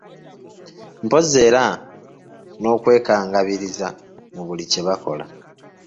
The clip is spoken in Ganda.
Mpozi era n'okwekangabiriza mu buli kye bakola.